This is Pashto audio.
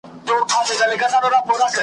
یو ټبر یو ټوله تور ټوله کارګان یو .